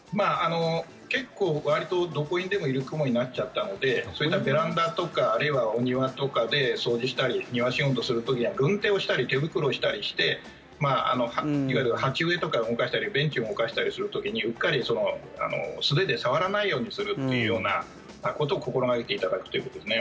結構わりとどこにでもいるクモになっちゃったのでそういったベランダとかあるいはお庭とかで掃除したり庭仕事する時には軍手をしたり手袋をしたりしていわゆる鉢植えとかを動かしたりベンチを動かしたりする時にうっかり素手で触らないようにするということを心掛けていただくということですね。